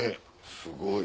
すごい。